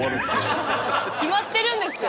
決まってるんですか